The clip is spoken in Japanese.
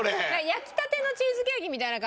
焼きたてのチーズケーキみたいな感じで。